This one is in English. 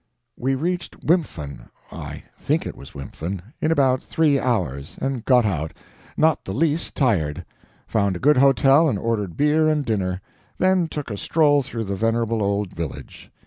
We reached Wimpfen I think it was Wimpfen in about three hours, and got out, not the least tired; found a good hotel and ordered beer and dinner then took a stroll through the venerable old village.